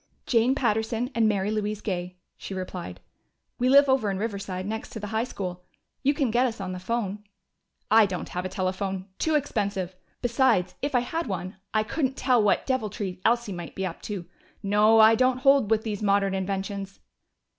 "Jane Patterson and Mary Louise Gay," she replied. "We live over in Riverside, next to the high school. You can get us on the phone." "I haven't a telephone. Too expensive. Besides, if I had one, I couldn't tell what deviltry Elsie might be up to.... No, I don't hold with these modern inventions."